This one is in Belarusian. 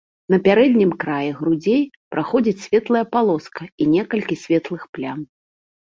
На пярэднім краі грудзей праходзіць светлая палоска і некалькі светлых плям.